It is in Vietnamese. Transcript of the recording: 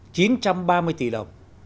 tức là chín trăm ba mươi tỷ đồng